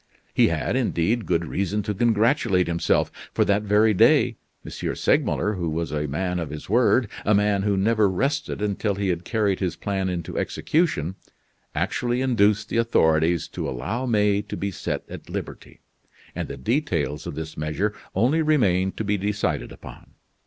He had, indeed, good reason to congratulate himself: for that very day M. Segmuller, who was a man of his word, a man who never rested until he had carried his plan into execution, actually induced the authorities to allow May to be set at liberty; and the details of this measure only remained to be decided upon.